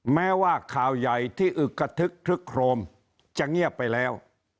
แม้ว่าข่าวใหญ่ที่อึกกระทึกคลึกโครมจะเงียบไปแล้ว